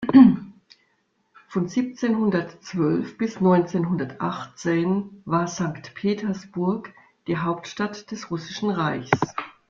Von siebzehnhundertzwölf bis neunzehnhundertachtzehn war Sankt Petersburg die Hauptstadt des Russischen Reichs.